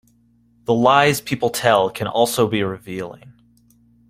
The lies people tell can also be revealing.